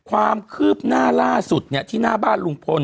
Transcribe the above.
ความคืบหน้าล่าสุดที่หน้าบ้านลุงพล